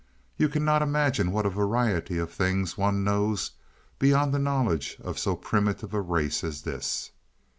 "You cannot imagine what a variety of things one knows beyond the knowledge of so primitive a race as this.